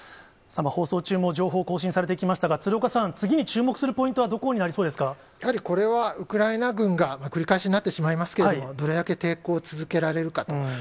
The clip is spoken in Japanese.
放送中も情報更新されてきましたけれども、鶴岡さん、次に注目するポイントはどこになりそうやはりこれはウクライナ軍が、繰り返しになってしまいますけれども、どれだけ抵抗を続けられるかと。